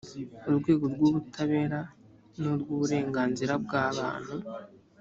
urwego rw ubutabera n urw uburenganzira bwa bantu